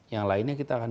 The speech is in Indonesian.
yang lainnya kita akan